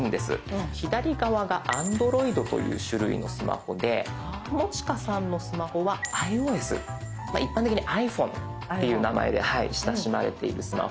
左側がＡｎｄｒｏｉｄという種類のスマホで友近さんのスマホはｉＯＳ一般的にはｉＰｈｏｎｅという名前で親しまれているスマホになります。